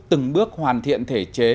từng bước hoàn thiện thể chế